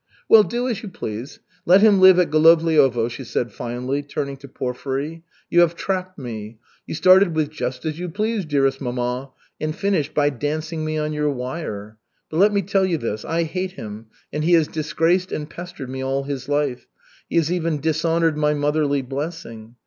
"Well, do as you please. Let him live at Golovliovo," she said finally, turning to Porfiry. "You have trapped me. You started with 'just as you please, dearest mamma,' and finished by dancing me on your wire. But let me tell you this, I hate him and he has disgraced and pestered me all his life, he has even dishonored my motherly blessing.